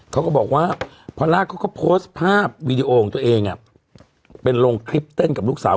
เขาก็บอกว่าพอล่าเขาก็โพสต์ภาพวีดีโอของตัวเองเป็นลงคลิปเต้นกับลูกสาว